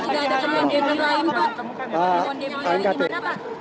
pak ini yang pertama sudah ada perundingan lain pak